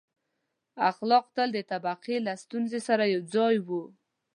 • اخلاق تل د طبقې له ستونزې سره یو ځای وو.